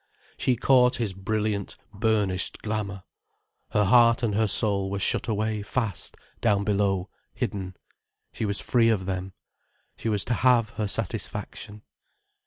She caught his brilliant, burnished glamour. Her heart and her soul were shut away fast down below, hidden. She was free of them. She was to have her satisfaction.